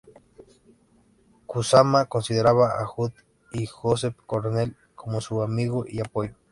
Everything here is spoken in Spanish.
Kusama consideraba a Judd y a Joseph Cornell como sus amigos y apoyo.